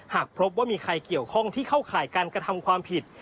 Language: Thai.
หากพบว่ามีใครเกี่ยวข้องที่เข้าข่ายการกระทำความผิด